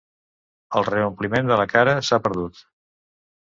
El reompliment de la cara s'ha perdut.